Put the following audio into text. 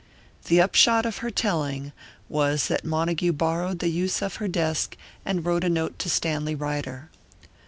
The upshot of her telling was that Montague borrowed the use of her desk and wrote a note to Stanley Ryder.